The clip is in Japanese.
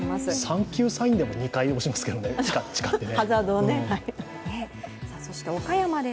サンキューサインでも２回押しますけどね、チカッチカッてね。